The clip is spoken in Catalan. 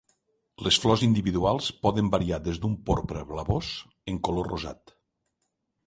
Les flors individuals poden variar des d'un porpra blavós en color rosat.